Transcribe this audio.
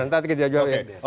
tadi dia jawab ya